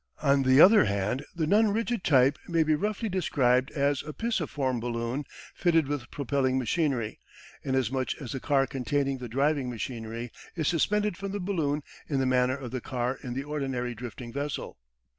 On the other hand the "non rigid" type may be roughly described as a pisciform balloon fitted with propelling machinery, inasmuch as the car containing the driving machinery is suspended from the balloon in the manner of the car in the ordinary drifting vessel.